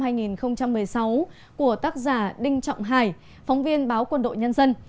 các bức ảnh đoạt giải nhất tháng sáu của tác giả đinh trọng hải phóng viên báo quân đội nhân dân